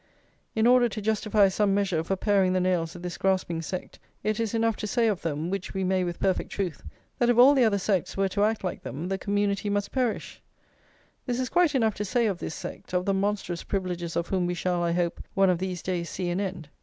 In order to justify some measure for paring the nails of this grasping sect, it is enough to say of them, which we may with perfect truth, that if all the other sects were to act like them, the community must perish. This is quite enough to say of this sect, of the monstrous privileges of whom we shall, I hope, one of these days, see an end.